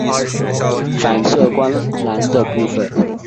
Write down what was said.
反射光栅的部分。